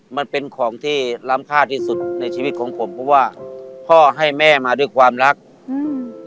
มันเป็นของที่ล้ำค่าที่สุดในชีวิตของผมเพราะว่าพ่อให้แม่มาด้วยความรักอืม